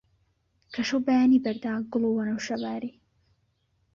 کە شەو بەیانی بەردا، گوڵ و وەنەوشە باری